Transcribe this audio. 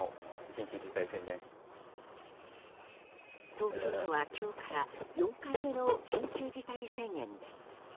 東京都は今日から４回目の緊急事態宣言です。